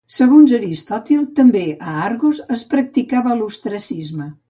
Segons Aristòtil també a Argos es practicava l'ostracisme.